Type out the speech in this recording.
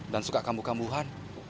dan suka kambuh kambuhan